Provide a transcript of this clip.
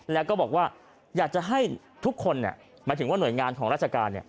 แล้วก็บอกว่าอยากจะให้ทุกคนหมายถึงว่าหน่วยงานของราชการ